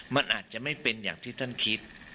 มันอาจจะไม่เป็นอย่างที่ท่านคิด